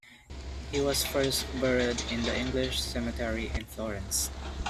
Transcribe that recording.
He was first buried in the English Cemetery in Florence.